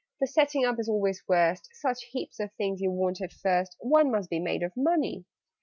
The setting up is always worst: Such heaps of things you want at first, One must be made of money!